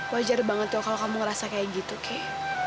wajar banget tuh kalau kamu ngerasa kayak gitu kay